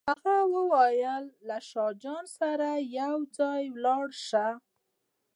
هغه وویل له شاه جان سره به یو ځای ولاړ شو.